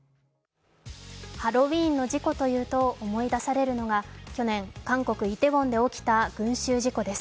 ハロウィーンの事故というと思い出されるのが去年、韓国のイテウォンで起きた密集事故です。